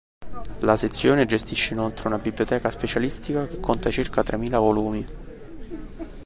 La Sezione gestisce inoltre una biblioteca specialistica che conta circa tremila volumi.